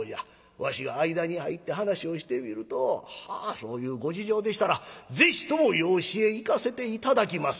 わしが間に入って話をしてみると『はあそういうご事情でしたらぜひとも養子へ行かせて頂きます』。